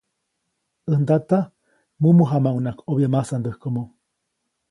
ʼÄj ndata, mumu jamaʼuŋnaʼajk ʼobya masandäjkomo.